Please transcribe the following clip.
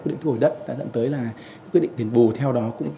quyết định thu hồi đất đã dẫn tới là quyết định đền bù theo đó cũng